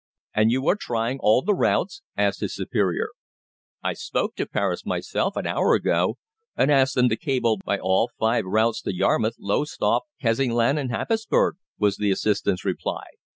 "And you are trying all the routes?" asked his superior. "I spoke to Paris myself an hour ago and asked them to cable by all five routes to Yarmouth, Lowestoft, Kessingland, and Happisburg," was the assistant's reply.